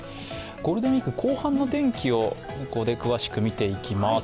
ゴールデンウイーク後半の天気をここで詳しく見ていきます。